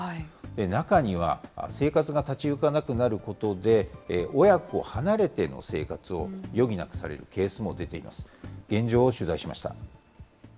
中には生活が立ち行かなくなることで、親子離れての生活を余儀なくされるケースも出ています。